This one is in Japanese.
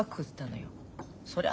そりゃ